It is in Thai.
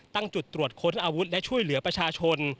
ตั้งจุดตรวจค้นอาวุธและช่วยเหลือประชาชน